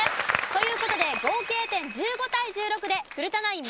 という事で合計点１５対１６で古田ナイン